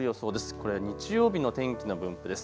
これは日曜日の天気の分布です。